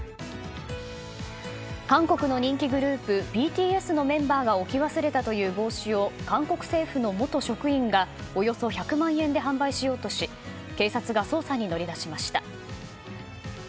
韓国の人気グループＢＴＳのメンバーが置き忘れたという帽子を韓国政府の元職員がおよそ１００万円で販売しようとし警察が捜査に乗り出しました。